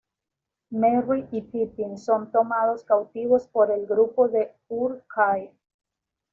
Merry y Pippin son tomados cautivos por el grupo de Uruk-hai.